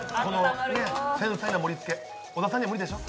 繊細な盛りつけ、小田さんには無理でしょ？